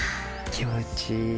気持ちいい。